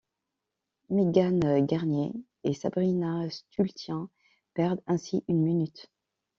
Megan Guarnier et Sabrina Stultiens perdent ainsi une minute.